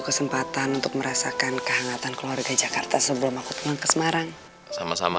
kesempatan untuk merasakan kehangatan keluarga jakarta sebelum aku pulang ke semarang sama sama